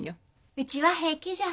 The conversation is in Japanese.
うちは平気じゃ。